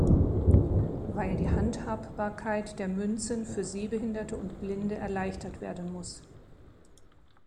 Weil die Handhabbarkeit der Münzen für Sehbehinderte und Blinde erleichtert werden muss.